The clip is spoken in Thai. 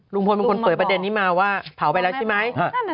ลุงพลเป็นคนเผยประเด็นนี้มาว่าเผาไปแล้วใช่ไหม